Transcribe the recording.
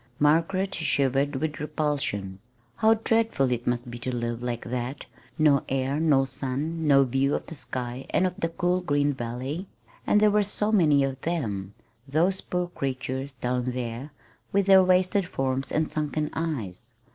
Margaret shivered with repulsion. How dreadful it must be to live like that no air, no sun, no view of the sky and of the cool green valley! And there were so many of them those poor creatures down there, with their wasted forms and sunken eyes!